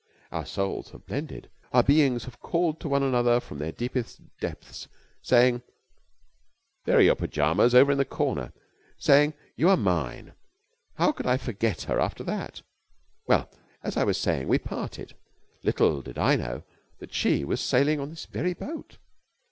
Our souls have blended. Our beings have called to one another from their deepest depths, saying ... There are your pyjamas, over in the corner ... saying, 'You are mine!' How could I forget her after that? Well, as I was saying, we parted. Little did I know that she was sailing on this very boat!